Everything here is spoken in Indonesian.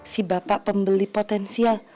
si bapak pembeli potensial